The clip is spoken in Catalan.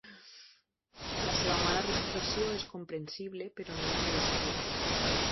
La seva mala reputació és comprensible, però no merescuda.